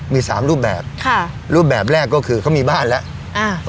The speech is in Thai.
มีสามรูปแบบค่ะรูปแบบแรกก็คือเขามีบ้านแล้วอ่า